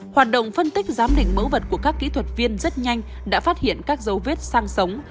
hoạt động phân tích giám định mẫu vật của các kỹ thuật viên rất nhanh đã phát hiện các dấu vết sang sống